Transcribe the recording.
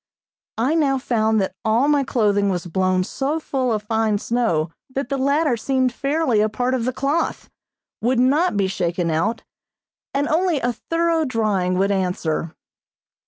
I now found that all my clothing was blown so full of fine snow that the latter seemed fairly a part of the cloth, would not be shaken out, and only a thorough drying would answer.